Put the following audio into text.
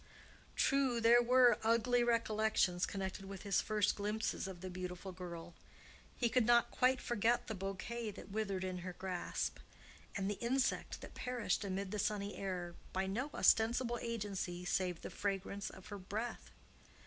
True, there were ugly recollections connected with his first glimpses of the beautiful girl; he could not quite forget the bouquet that withered in her grasp, and the insect that perished amid the sunny air, by no ostensible agency save the fragrance of her breath.